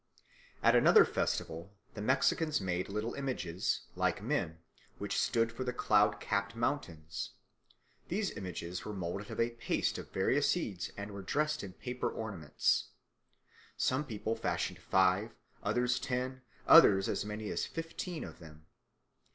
At another festival the Mexicans made little images like men, which stood for the cloud capped mountains. These images were moulded of a paste of various seeds and were dressed in paper ornaments. Some people fashioned five, others ten, others as many as fifteen of them.